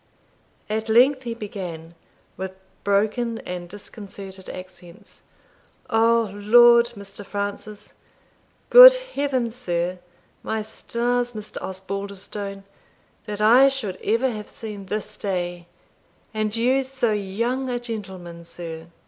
At length he began, with broken and disconcerted accents, "O L d, Mr. Francis! Good Heavens, sir! My stars, Mr. Osbaldistone! that I should ever have seen this day and you so young a gentleman, sir!